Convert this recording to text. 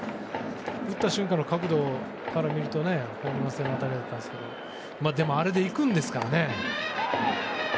打った瞬間の角度から見るとホームラン性の当たりでしたけどでもあれで行くんですからね。